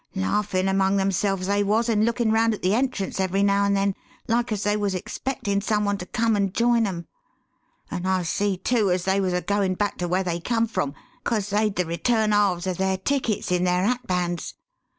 Laughin' among themselves they was and lookin' round at the entrance every now and then like as they was expectin' some one to come and join 'em; and I see, too, as they was a goin' back to where they come from, 'cause they'd the return halves of their tickets in their hatbands.